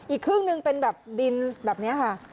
อีกครึ่งหนึ่งเป็นแบบดินแบบนี้ค่ะ